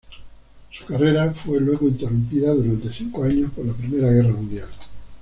Su carrera fue luego interrumpida durante cinco años por la Primera Guerra Mundial.